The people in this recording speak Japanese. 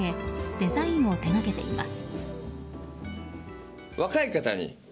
デザインを手がけています。